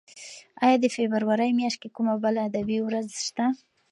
ایا د فبرورۍ میاشت کې کومه بله ادبي ورځ شته؟